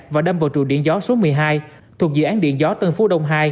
và đâm vào trụ điện gió số một mươi hai thuộc dự án điện gió tân phú đông hai